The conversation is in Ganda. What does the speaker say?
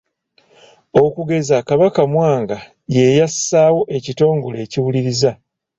Okugeza Kabaka Mwanga ye yassaawo ekitongole ekiwuliriza.